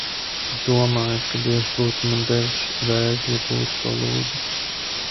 Domājat, ka Dievs būtu man devis vēzi, ja būtu to lūdzis?